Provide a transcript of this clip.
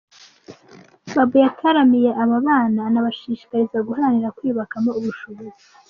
Babou yataramiye aba bana, anabashishikarije guharanira kwiyubakamo ubushobozi.